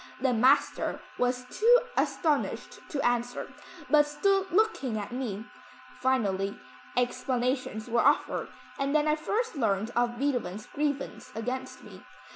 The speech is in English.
The master was too astonished to answer, but stood looking at me. Finally, explanations were offered and then I first learned of Beethoven's grievance against me.